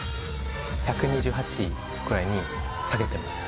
はい１２８くらいに下げてます